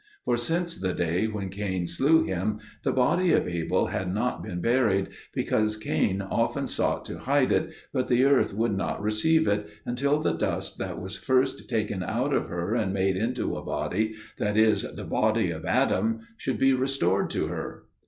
For since the day when Cain slew him, the body of Abel had not been buried: because Cain often sought to hide it, but the earth would not receive it, until the dust that was first taken out of her and made into a body, that is, the body of Adam, should be restored to her.